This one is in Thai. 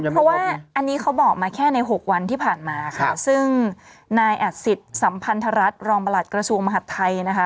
เพราะว่าอันนี้เขาบอกมาแค่ใน๖วันที่ผ่านมาค่ะซึ่งนายอัดสิทธิ์สัมพันธรัฐรองประหลัดกระทรวงมหาดไทยนะคะ